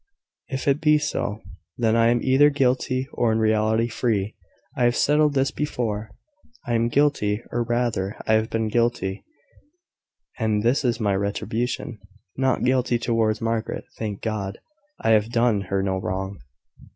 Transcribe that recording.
If it be so, then I am either guilty, or in reality free. I have settled this before. I am guilty; or rather, I have been guilty; and this is my retribution. Not guilty towards Margaret. Thank God, I have done her no wrong!